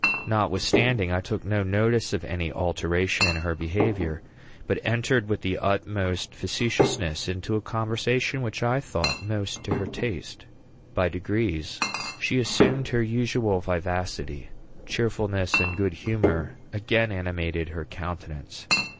Notwithstanding, I took no notice of any alteration in her behavior, but entered with the utmost facetiousness into a conversation which I thought most to her taste. By degrees she assumed her usual vivacity; cheerfulness and good humor again animated her countenance.